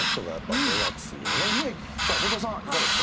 さあ堀田さんいかがですか？